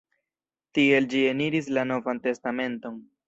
Tiel ĝi eniris la Novan Testamenton.